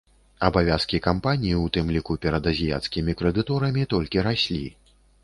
Абавязкі кампаніі, у тым ліку перад азіяцкімі крэдыторамі, толькі раслі.